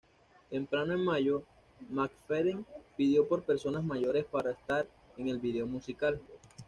Temprano en mayo, McFadden pidió por personas mayores para estar en el vídeo musical.